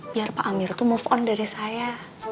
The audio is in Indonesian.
biar pak amir itu move on dari saya